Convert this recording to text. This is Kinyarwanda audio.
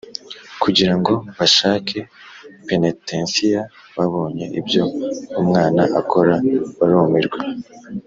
\kugirango bashake penetensiya babonye ibyo umwana akora barumirwa